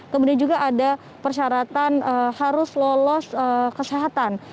kemudian juga ada persyaratan harus lolos kesehatan